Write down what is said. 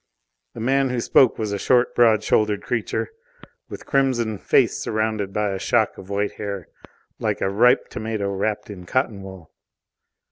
The man who spoke was a short, broad shouldered creature, with crimson face surrounded by a shock of white hair, like a ripe tomato wrapped in cotton wool.